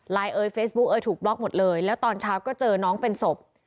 เอ่ยเฟซบุ๊กเอยถูกบล็อกหมดเลยแล้วตอนเช้าก็เจอน้องเป็นศพ